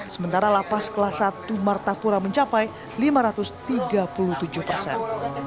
sementara lapas kelas satu martapura mencapai lima ratus tiga puluh tujuh persen